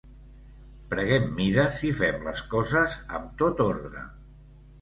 Prenguem mides i fem les coses am tot ordre